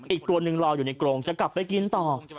อีกตัวหนึ่งรออยู่ในกรงจะกลับไปกินต่อ